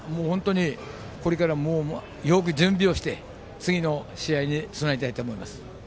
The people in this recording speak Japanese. これからよく準備をして次の試合に備えたいと思います。